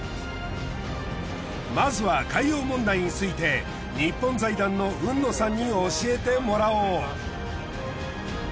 まずは海洋問題について日本財団の海野さんに教えてもらおう。